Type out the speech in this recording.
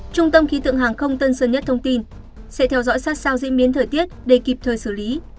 trung tâm khí tượng hàng không tân sơn nhất thông tin sẽ theo dõi sát sao diễn biến thời tiết để kịp thời xử lý